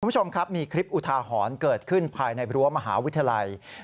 คุณผู้ชมครับมีคลิปอุทาหรณ์เกิดขึ้นภายในรั้วมหาวิทยาลัย